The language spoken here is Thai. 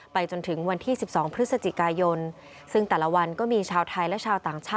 จนถึงวันที่๑๒พฤศจิกายนซึ่งแต่ละวันก็มีชาวไทยและชาวต่างชาติ